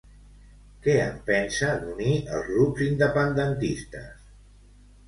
Què en pensa, d'unir els grups independentistes?